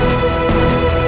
masa yang terakhir